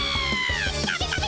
ダメダメ！